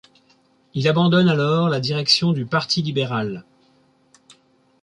Il abandonne alors la direction du Parti libéral.